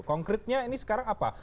konkretnya ini sekarang apa